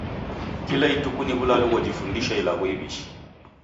Kila ituku ni w'ulalo ghojifundisha ilagho iw'ishi.